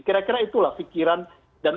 kira kira itulah pikiran dan